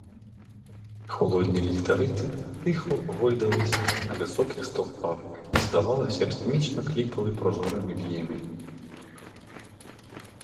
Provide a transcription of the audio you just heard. Холодні ліхтарі тихо гойдалися на високих стовпах і, здавалося, ритмічно кліпали прозорими віями.